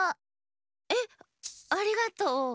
えっありがとう。